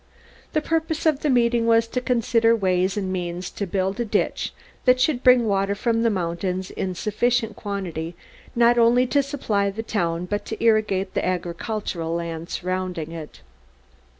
The purpose of the meeting was to consider ways and means to build a ditch that should bring water from the mountains in sufficient quantity not only to supply the town but to irrigate the agricultural land surrounding it.